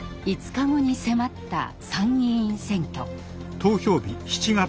５日後に迫った参議院選挙。